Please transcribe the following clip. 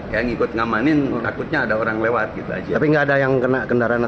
yang ikut ngamanin takutnya ada orang lewat gitu aja tapi nggak ada yang kena kendaraan